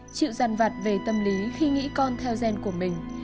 chịu rằn vặt về tâm lý khi nghĩ con theo gen của mình